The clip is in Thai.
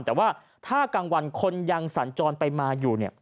แต่ว่าถ้ากลางวันคนยังสัญจรไปมาอยู่เนี่ย